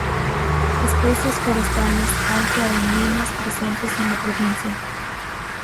Especies forestales alto andinas presentes en la provincia.